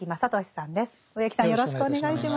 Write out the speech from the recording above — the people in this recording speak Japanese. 植木さんよろしくお願いします。